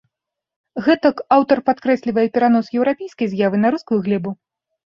Гэтак аўтар падкрэслівае перанос еўрапейскай з'явы на рускую глебу.